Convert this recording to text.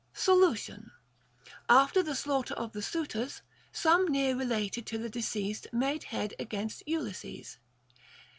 Solution. After the slaughter of the suitors, some near related to the deceased made head against Ulysses.